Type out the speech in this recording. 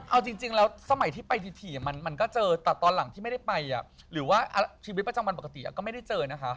เอาจริงแล้วสมัยที่ไปถี่มันก็เจอแต่ตอนหลังที่ไม่ได้ไปหรือว่าชีวิตประจำวันปกติก็ไม่ได้เจอนะคะ